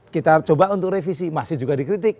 kita coba untuk revisi masih juga dikritik